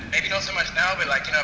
mungkin bukan sekarang tapi di masa lalu